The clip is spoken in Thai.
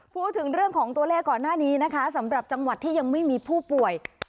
พูดถึงเรื่องของตัวเลขก่อนหน้านี้นะคะสำหรับจังหวัดที่ยังไม่มีผู้ป่วย